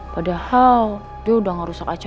padahal dia udah gak harus sama gue lagi ya